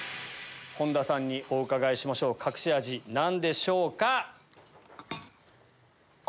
本田さんにお伺いしましょう隠し味何でしょうか？